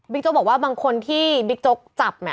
บิ๊กโจ๊กบอกว่าบางคนที่บิ๊กโจ๊กจับ